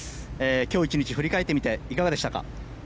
今日１日、振り返ってみていかがでしたか？